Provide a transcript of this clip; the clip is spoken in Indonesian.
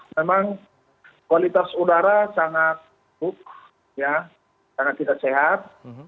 memang kualitas udara sangat hukum ya sangat tidak sehat